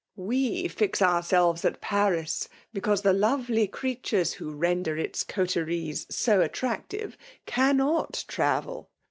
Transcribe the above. " We fix ourselves at Paris, because the lovely creatures who render its coteries so attractive, cannot travel.